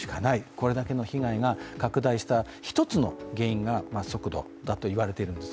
これだけの被害が拡大した一つの原因が速度だといわれているんです。